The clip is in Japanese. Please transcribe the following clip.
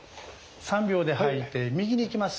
３秒で吐いて右にいきます。